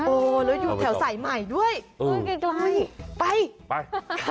โอ้แล้วอยู่แถวใส่ใหม่ด้วยไปไป